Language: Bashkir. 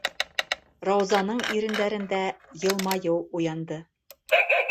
- Раузаның ирендәрендә йылмайыу уянды.